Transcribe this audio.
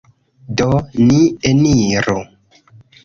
Do, ni eniru!